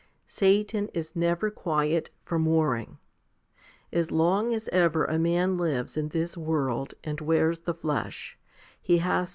Satan is never quiet from warring. As long as ever a man lives in this world and wears the flesh, he has to 1 i Tim.